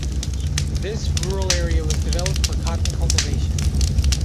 This rural area was developed for cotton cultivation.